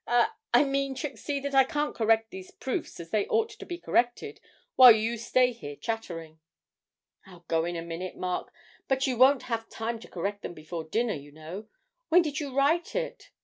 'I I mean, Trixie, that I can't correct these proofs as they ought to be corrected while you stay here chattering.' 'I'll go in a minute, Mark; but you won't have time to correct them before dinner, you know. When did you write it?'